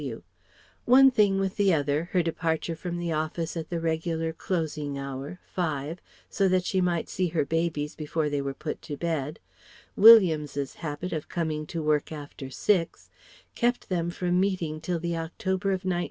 W. One thing with the other: her departure from the office at the regular closing hour five so that she might see her babies before they were put to bed; Williams's habit of coming to work after six; kept them from meeting till the October of 1901.